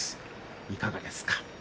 いかがですか。